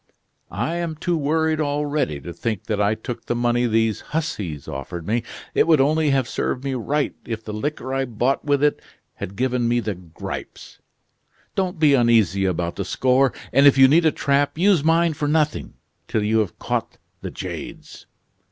I am too worried already to think that I took the money these hussies offered me. It would only have served me right if the liquor I bought with it had given me the gripes. Don't be uneasy about the score, and if you need a trap use mine for nothing, till you have caught the jades."